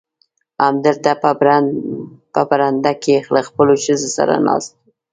همدلته په برنډه کې له خپلو ښځو سره ناست و.